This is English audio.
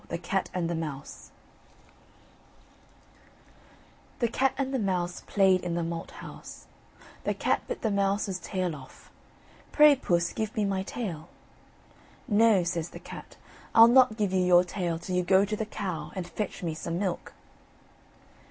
THE CAT AND THE MOUSE The cat and the mouse Play'd in the malt house: The cat bit the mouse's tail off. "Pray, puss, give me my tail." "No," says the cat, "I'll not give you your tail, till you go to the cow, and fetch me some milk."